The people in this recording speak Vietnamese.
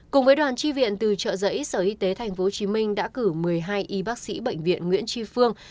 cùng với đoàn tri viện từ trợ giấy sở y tế tp hcm đã cử một mươi hai y bác sĩ bệnh viện nguyễn tri phương